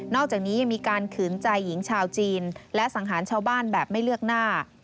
อกจากนี้ยังมีการขืนใจหญิงชาวจีนและสังหารชาวบ้านแบบไม่เลือกหน้า